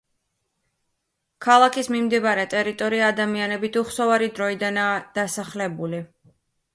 ქალაქის მიმდებარე ტერიტორია ადამიანებით უხსოვარი დროიდანაა დასახლებული.